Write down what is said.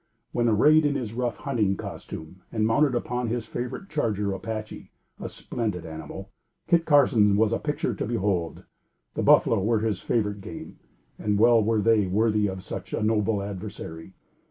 When arrayed in his rough hunting costume and mounted upon his favorite charger Apache, a splendid animal, Kit Carson was a picture to behold. The buffalo were his favorite game, and well were they worthy of such a noble adversary.